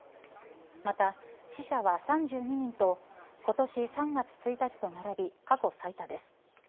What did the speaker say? また、死者は３２人と今年３月１日と並び過去最多です。